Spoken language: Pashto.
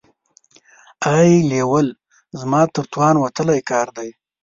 ایېلول زما تر توان وتلی کار دی.